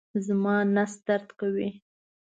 زما نس درد کوي